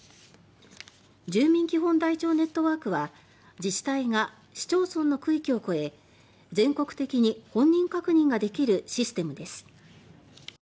住民基本台帳ネットワークは自治体が市町村の区域を越え全国的に本人確認ができるシステムです。